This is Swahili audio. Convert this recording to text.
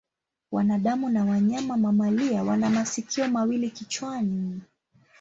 Wanadamu na wanyama mamalia wana masikio mawili kichwani.